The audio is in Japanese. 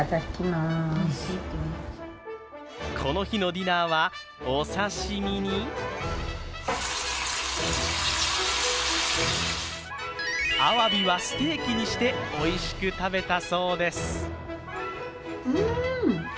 この日のディナーはお刺身にあわびはステーキにしておいしく食べたそうです。